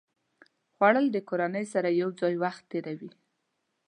خوړل د کورنۍ سره یو ځای وخت تېروي